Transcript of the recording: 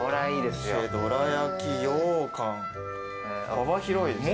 幅広いですね。